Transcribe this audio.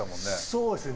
そうですね。